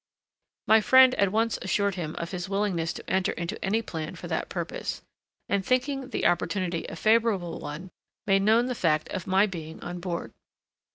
My friend at once assured him of his willingness to enter into any plan for that purpose, and, thinking the opportunity a favourable one, made known the fact of my being on board.